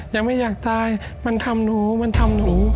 ยังไม่อยากตายมันทำหนู